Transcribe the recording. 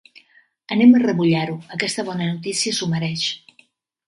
Anem a remullar-ho: aquesta bona notícia s'ho mereix.